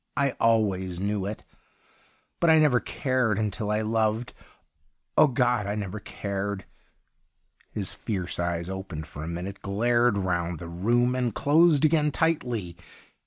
I always knew it, but I never cared until I loved — oh, God, I never cared !' His fierce eyes opened for a minute, glared round the room, and closed again tightly.